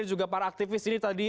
dan juga para aktivis